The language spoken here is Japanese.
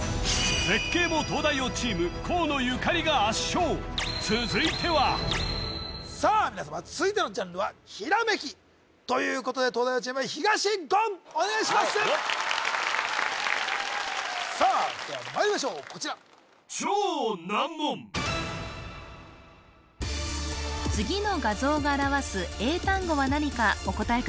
「絶景」も東大王チーム河野ゆかりが圧勝続いてはさあ皆さま続いてのジャンルは「ひらめき」ということで東大王チームは東言お願いしますさあではまいりましょうこちら次の画像が表す英単語は何かお答え